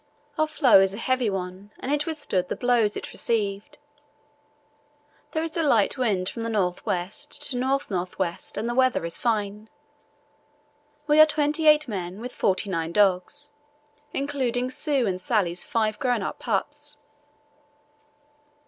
Our floe is a heavy one and it withstood the blows it received. There is a light wind from the north west to north north west, and the weather is fine. We are twenty eight men with forty nine dogs, including Sue's and Sallie's five grown up pups.